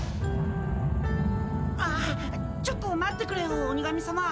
ああちょっと待ってくれよ鬼神さま。